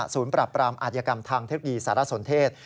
๑๕ศูนย์ปรับปรามอาจยกรรมทางเทคโนยีสารสนเทศ